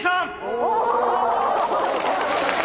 お！